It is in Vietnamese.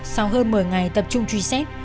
sau hơn một mươi ngày tập trung truy xét